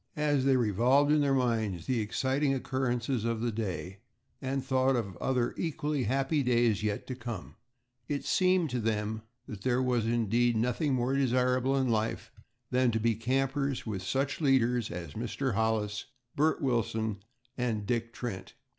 As they revolved in their minds the exciting occurrences of the day, and thought of other equally happy days yet to come, it seemed to them that there was indeed nothing more desirable in life than to be campers with such leaders as Mr. Hollis, Bert Wilson, and Dick Trent.